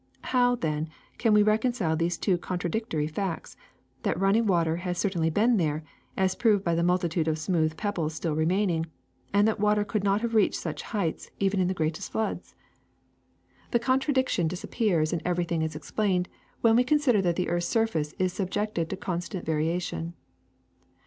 How, then, can we recon cile these two contradictory facts, that running water has certainly been there, as proved by the multitude of smooth pebbles still remaining, and that water could not have reached such heights even in the greatest floods'? 358 THE SECRET OF EVERYDAY THINGS ^^The contradiction disappears and everything is explained when we consider that the earth's surface is subjected to constant variation.